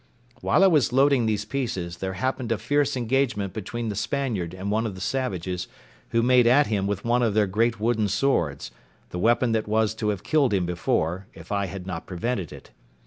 While I was loading these pieces, there happened a fierce engagement between the Spaniard and one of the savages, who made at him with one of their great wooden swords, the weapon that was to have killed him before, if I had not prevented it.